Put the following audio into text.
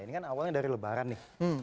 ini kan awalnya dari lebaran nih